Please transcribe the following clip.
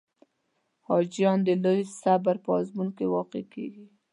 حاجیان د لوی صبر په آزمون کې واقع کېږي.